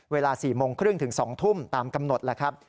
เวลา๔โมงครึ่งถึง๒ทุ่มตามกำหนดแหละครับ